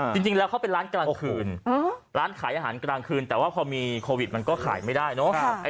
จริงแล้วเขาเป็นร้านกลางคืนร้านขายอาหารกลางคืนแต่ว่าพอมีโควิดมันก็ขายไม่ได้เนอะ